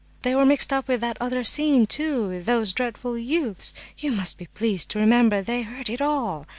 They were mixed up with that other scene, too, with those dreadful youths. You must be pleased to remember they heard it all.